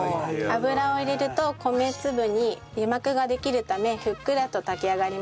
油を入れると米粒に油膜ができるためふっくらと炊き上がります。